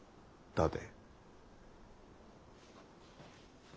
立て！